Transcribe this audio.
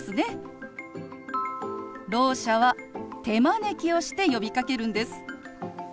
ろう者は手招きをして呼びかけるんです。